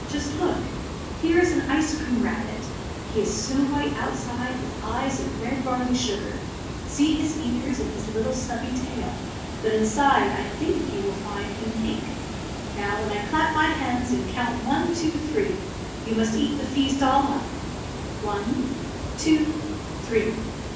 "Just look! Here is an ice cream rabbit. He is snow white outside, with eyes of red barley sugar; see his ears, and his little snubby tail! but inside, I think you will find him pink. Now, when I clap my hands and count one, two, three, you must eat the feast all up. One two three!"